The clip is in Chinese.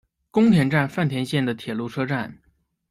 宫田站饭田线的铁路车站。